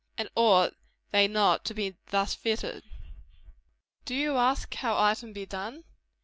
And ought they not to be thus fitted? Do you ask how item be done?